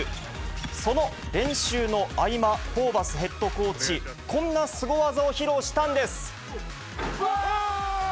その練習の合間、ホーバスヘッドコーチ、こんなスゴ技を披露したんです。